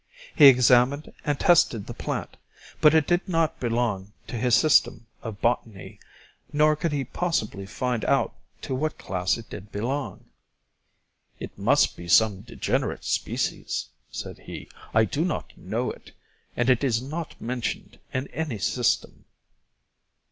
He examined and tested the plant, but it did not belong to his system of botany, nor could he possibly find out to what class it did belong. "It must be some degenerate species," said he; "I do not know it, and it is not mentioned in any system."